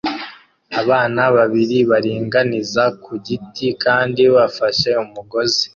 Abana babiri baringaniza ku giti kandi bafashe umugozi